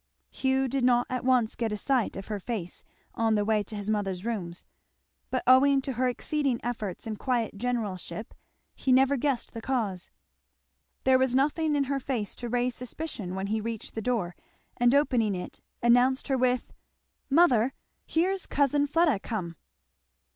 Hugh did not once get a sight of her face on the way to his mother's room, but owing to her exceeding efforts and quiet generalship he never guessed the cause. There was nothing in her face to raise suspicion when he reached the door and opening it announced her with, "Mother, here's cousin Fleda come."